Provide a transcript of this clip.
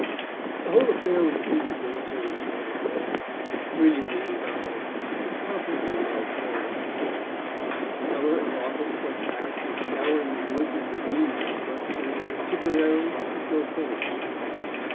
The whole affair was a piece of military sleight of hand, brilliantly designed, incomparably well carried out. The summer and autumn were passed in scouring the woods and ravines of Munster from Tipperary to Kilkenny.